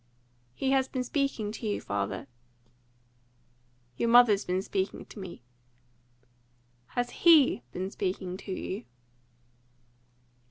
"Has he been speaking to you, father?" "Your mother's been speaking to me." "Has HE been speaking to you?"